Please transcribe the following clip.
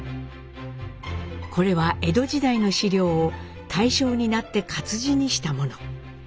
これは江戸時代の史料を大正になって活字にしたもの。